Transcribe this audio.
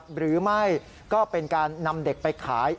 หรือไม่ก็เป็นการนำเด็กไปขาย